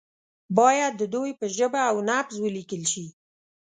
باید د دوی په ژبه او نبض ولیکل شي.